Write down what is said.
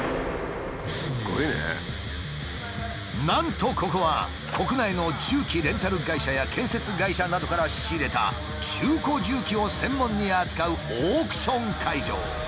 なんとここは国内の重機レンタル会社や建設会社などから仕入れた中古重機を専門に扱うオークション会場。